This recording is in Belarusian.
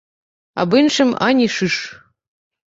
Аб іншым ані шыш!